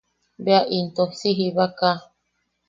Bea into si jiba kaa.